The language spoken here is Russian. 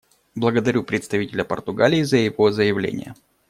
Благодарю представителя Португалии за его заявление.